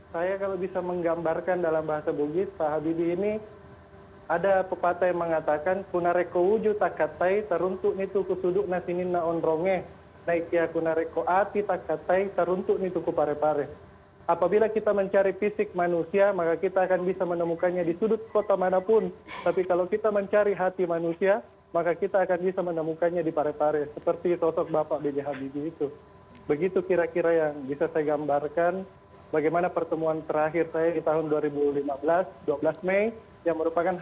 saya kalau bisa menggambarkan dalam bahasa bugis pak habibie ini ada pepatah yang mengatakan